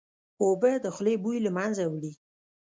اوبه د خولې بوی له منځه وړي